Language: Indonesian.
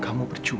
kamu percuma ta